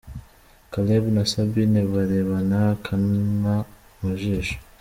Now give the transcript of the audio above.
Caleb na Sabine barebana akana mu jisho.